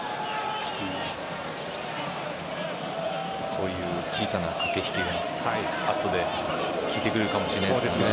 こういう小さな駆け引きがあとで効いてくるかもしれないですからね。